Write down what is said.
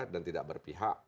dan tidak berpihak